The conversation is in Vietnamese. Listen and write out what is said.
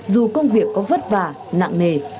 dù công việc có vất vả nặng nề